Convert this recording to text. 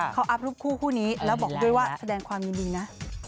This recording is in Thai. เขาอัพรูปคู่คู่นี้แล้วบอกด้วยว่าแสดงความยินดีนะ